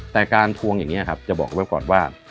แต่การทวงอย่างนี้ครับจะบอกไว้ก่อนว่า